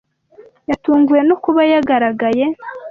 Yatunguwe no kuba yagaragaye.